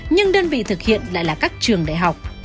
nhưng đơn vị thực hiện lại là các trường đại học